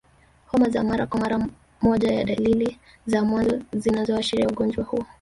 Homa za mara kwa mara moja ya dalili za mwanzo zinazoashiria ugonjwa huo